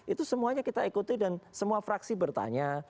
itu semuanya kita ikuti dan semua fraksi bertanya